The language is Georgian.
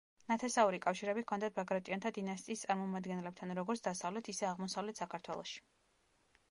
ნათესაური კავშირები ჰქონდათ ბაგრატიონთა დინასტიის წარმომადგენლებთან როგორც დასავლეთ, ისე აღმოსავლეთ საქართველოში.